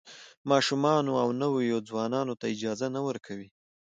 ماشومانو او نویو ځوانانو ته اجازه نه ورکوي.